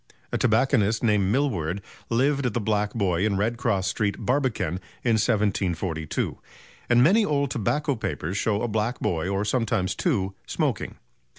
A tobacconist named Milward lived at the "Black Boy" in Redcross Street, Barbican, in 1742; and many old tobacco papers show a black boy, or sometimes two, smoking.